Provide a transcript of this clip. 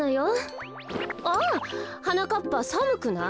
あはなかっぱさむくない？